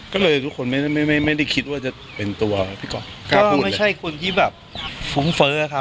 ก็เลยทุกคนไม่คิดว่าจะเป็นตัวพี่กล่าวไม่ใช่คนที่แบบฟุ้งเฟิร์สครับ